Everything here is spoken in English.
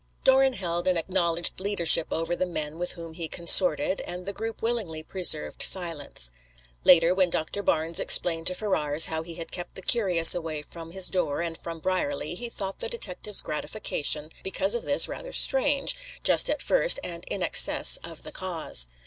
Doran held an acknowledged leadership over the men with whom he consorted, and the group willingly preserved silence. Later, when Doctor Barnes explained to Ferrars how he had kept the curious away from his door, and from Brierly, he thought the detective's gratification because of this rather strange, just at first, and in excess of the cause.